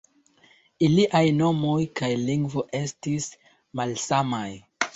Iliaj nomoj kaj lingvo estis malsamaj.